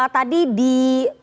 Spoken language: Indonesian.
tadi di konfirmasi